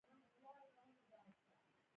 خواښې د مېړه مور